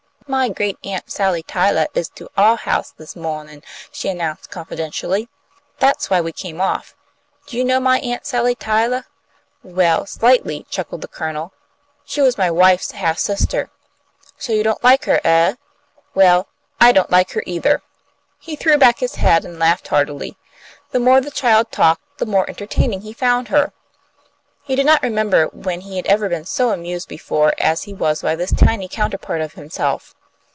"My great aunt Sally Tylah is to our house this mawnin'," she announced, confidentially. "That's why we came off. Do you know my Aunt Sally Tylah?" "Well, slightly!" chuckled the Colonel. "She was my wife's half sister. So you don't like her, eh? Well, I don't like her either." He threw back his head and laughed heartily. The more the child talked the more entertaining he found her. He did not remember when he had ever been so amused before as he was by this tiny counterpart of himself.